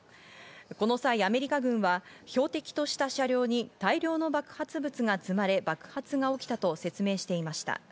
この際アメリカ軍は標的とした車両に大量の爆発物が積まれ爆発が起きたと説明していました。